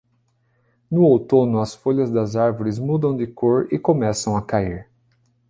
No outono as folhas das árvores mudam de cor e começam a cair